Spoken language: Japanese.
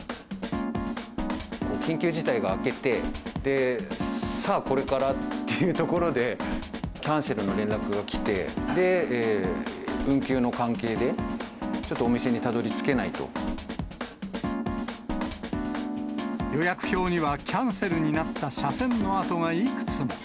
緊急事態が明けて、さあ、これからっていうところで、キャンセルの連絡が来て、運休の関係で、予約表には、キャンセルになった斜線の跡がいくつも。